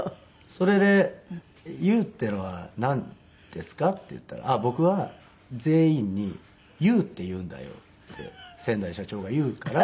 それで「“ユー”っていうのはなんですか？」って言ったら「あっ僕は全員に“ユー”って言うんだよ」って先代社長が言うから。